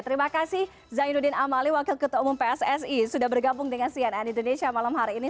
terima kasih zainuddin amali wakil ketua umum pssi sudah bergabung dengan cnn indonesia malam hari ini